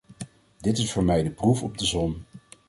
Dit is voor mij de proef op de som.